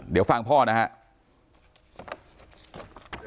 เดี๋ยวฟังพ่อนะครับ